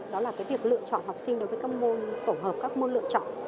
đó là việc lựa chọn học sinh đối với các môn tổ hợp các môn lựa chọn